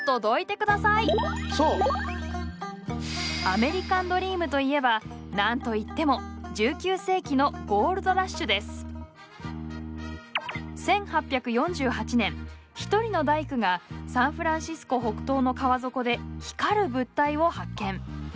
アメリカンドリームといえば何と言っても１９世紀の１８４８年一人の大工がサンフランシスコ北東の川底で光る物体を発見。